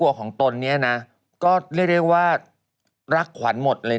อย่างนี้ก็ท้องซะเลย